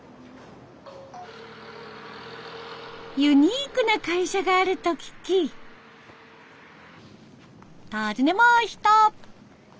ユニークな会社があると聞き訪ねました。